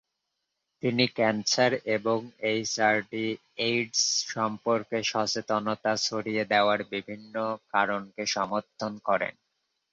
তিনি ক্যান্সার এবং এইচআইভি/এইডস সম্পর্কে সচেতনতা ছড়িয়ে দেওয়ার বিভিন্ন কারণকে সমর্থন করেন।